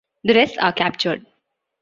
The rest are captured.